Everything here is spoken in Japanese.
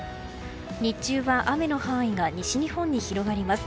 日中は雨の範囲が西日本に広がります。